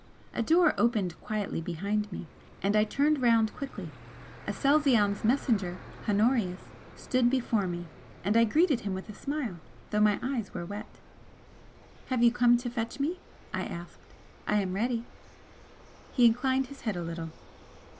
A door opened quietly behind me, and I turned round quickly. Aselzion's messenger, Honorius, stood before me and I greeted him with a smile, though my eyes were wet. "Have you come to fetch me?" I asked "I am ready." He inclined his head a little.